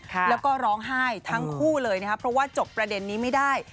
แล้วก็ร้องไห้ทั้งคู่เลยนะครับเพราะว่าจบประเด็นนี้ไม่ได้